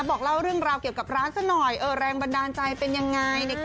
บอกเล่าเรื่องราวเกี่ยวกับร้านซะหน่อยแรงบันดาลใจเป็นยังไง